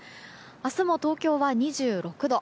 明日も東京は２６度。